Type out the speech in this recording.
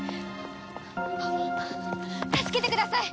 助けてください！